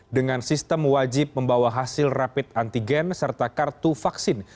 dengan sistem wajib membawa hasil rapid antigen serta kartu vaksin